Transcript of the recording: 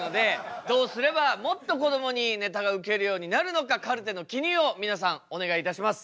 どうすればもっとこどもにネタがウケるようになるのかカルテの記入を皆さんお願いいたします。